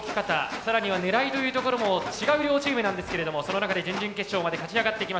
更には狙いというところも違う両チームなんですけれどもその中で準々決勝まで勝ち上がってきました。